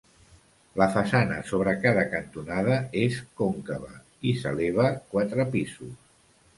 La façana sobre cada cantonada és còncava, i s'eleva quatre pisos.